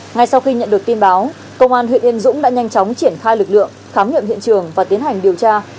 ngay sau khi nhận được tin báo công an huyện yên dũng đã nhanh chóng triển khai lực lượng khám nghiệm hiện trường và tiến hành điều tra